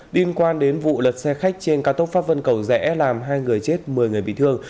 liên quan đến vụ lật xe khách trên ca tốc pháp vân cẩu rẽ làm hai người chết mười người bị thương